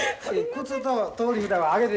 靴と通り札はあげて。